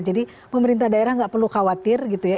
jadi pemerintah daerah nggak perlu khawatir gitu ya